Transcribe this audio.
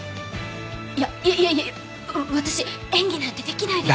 いやいやいやいや私演技なんてできないです。